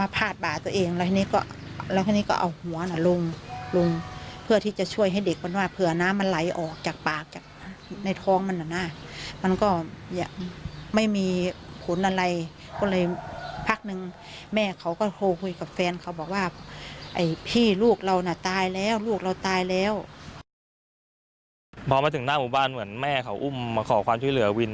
พอมาถึงหน้าหมู่บ้านเหมือนแม่เขาอุ้มมาขอความช่วยเหลือวิน